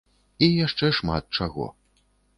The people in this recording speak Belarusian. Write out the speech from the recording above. І яшчэ шмат чаго.